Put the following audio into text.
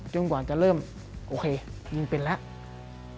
กว่าจะเริ่มโอเคมึงเป็นแล้ว